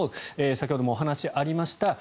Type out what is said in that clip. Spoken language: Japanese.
先ほどもお話がありました。